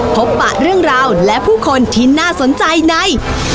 ปะเรื่องราวและผู้คนที่น่าสนใจใน